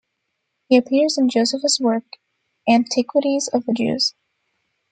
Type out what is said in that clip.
He appears in Josephus's work Antiquities of the Jews.